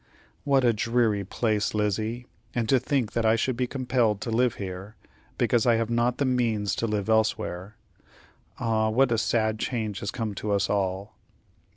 "What a dreary place, Lizzie! And to think that I should be compelled to live here, because I have not the means to live elsewhere. Ah! what a sad change has come to us all."